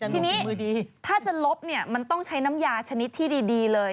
ทีนี้ถ้าจะลบมันต้องใช้น้ำยาชนิดที่ดีเลย